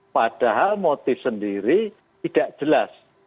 padahal motif sendiri tidak jelas